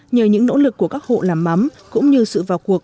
nhờ những nỗ lực của các hộ làm mắm cũng như sự vào cuộc